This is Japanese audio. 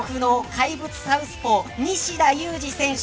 怪物サウスポー西田有志選手